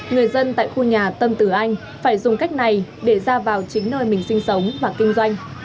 người dân tại khu nhà tâm tử anh phải dùng cách này để ra vào chính nơi mình sinh sống và kinh doanh